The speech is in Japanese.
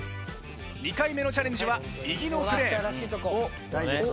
２回目のチャレンジは右のクレーン。